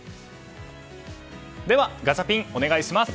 ではガチャピンお願いします。